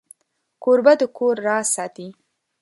کوربه د کور راز ساتي.